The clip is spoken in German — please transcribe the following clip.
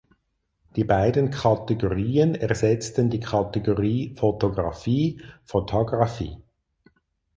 Die beiden Kategorien ersetzten die Kategorie Fotografie "(Photography)".